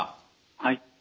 はい。